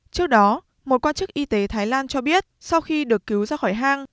trước đó một quan chức y tế thái lan cho biết sau khi được cứu ra khỏi hang